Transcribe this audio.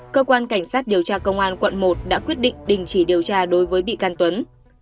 cơ quan cảnh sát điều tra công an quận một đã quyết định đình chỉ điều tra đối với bị can tuấn